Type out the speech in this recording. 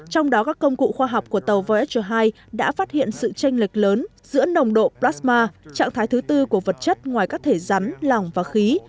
trong đó các công cụ khoa học của tàu voager hai đã phát hiện sự tranh lệch lớn giữa nồng độ plasma trạng thái thứ tư của vật chất ngoài các thể rắn lòng và khí